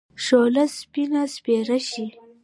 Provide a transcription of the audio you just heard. شوله! سپين سپيره شې.